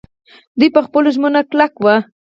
دوی په خپلو ژمنو کلک وو.